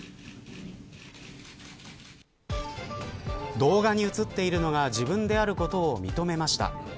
動画に映っているのが自分であることを認めました。